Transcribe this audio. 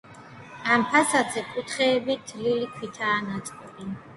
ამ ფასადზე კუთხეები თლილი ქვითაა ნაწყობი.